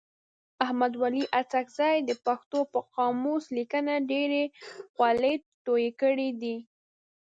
احمد ولي اڅکزي د پښتو په قاموس لیکنه کي ډېري خولې توی کړي دي.